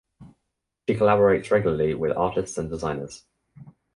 She collaborates regularly with artists and designers.